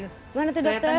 gimana tuh dokter